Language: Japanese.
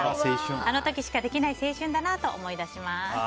あの時しかできない青春だなと思い出します。